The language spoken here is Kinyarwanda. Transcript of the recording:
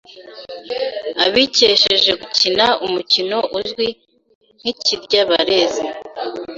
abikesheje gukina umukino uzwi nk’Ikiryabarezi.